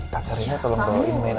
kak karina tolong bawa inmen aja